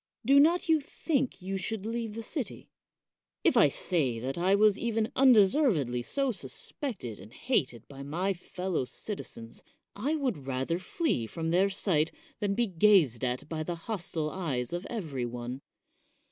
Do not you think you should leave the city? If I say that I was even undeservedly so suspected and hated by my fellow citizens, I would rather flee from their sight than be gazed at by the hostile eyes of every one.